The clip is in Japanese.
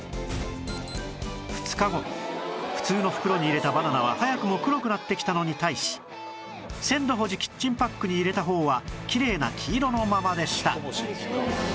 ２日後普通の袋に入れたバナナは早くも黒くなってきたのに対し鮮度保持キッチンパックに入れた方はきれいな黄色のままでした